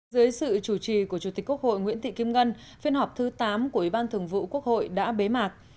dưới sự chủ trì của chủ tịch quốc hội nguyễn thị kim ngân phiên họp thứ tám của ủy ban thường vụ quốc hội đã bế mạc